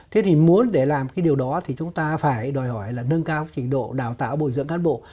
thế thì muốn để làm cái điều đó thì chúng ta phải đòi hỏi là nâng cao trình độ đào tạo bồi dưỡng cán bộ